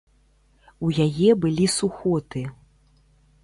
У яе былі сухоты.